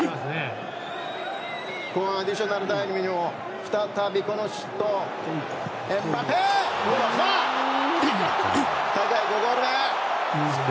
後半アディショナルタイムにも再びこの人エムバペ！